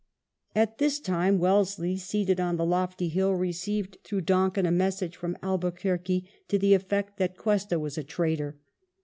At this time WELLINGTON chap. Wellesley, seated on the lofty hill, received through Donkin a message from Albuquerque to the eflfect that Cuesta was a traitor.